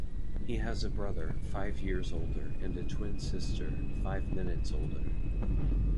He has a brother, five years older, and a twin sister, five minutes older.